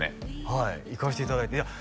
はい行かせていただいていや